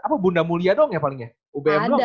apa bunda mulia doang ya palingnya ubm doang ya